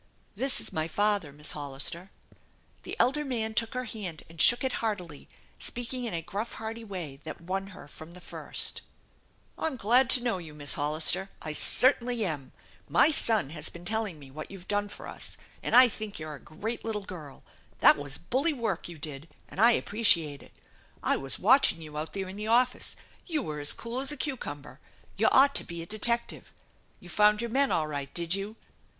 " This is my father, Miss Hollister." The elder man took her hand and shook it heartily, speak ing in a gruff, hearty way that won her from the first: "I'm glad to know you, Miss Hollister. I certainly am! THE ENCHANTED BARN 191 My son has been telling me what you've done for us, and I think you're a great little girl ! That was bully work you did, and I appreciate it. I was watching you out there in the office. You were as cool as a cucumber. You ought to be a detective. You found your men all right, did you